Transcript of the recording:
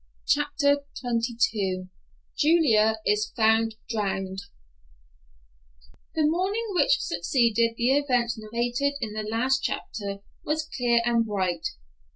CHAPTER XXII JULIA IS FOUND DROWNED The morning which succeeded the events narrated in the last chapter was clear and bright.